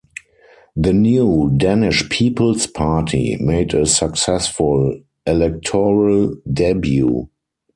The new Danish People's Party made a successful electoral debut.